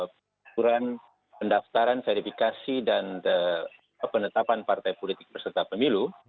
peraturan pendaftaran verifikasi dan penetapan partai politik berserta pemilu